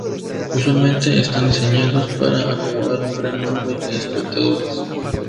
Usualmente están diseñados para acomodar un gran número de espectadores.